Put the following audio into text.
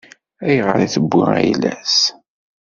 Ayɣer i tewwi ayla-s?